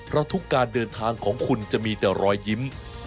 เพราะทุกการเดินทางของคุณจะมีแต่รอยยิ้ม